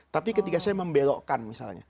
tapi ketika saya membelokkan misalnya